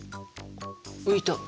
浮いた！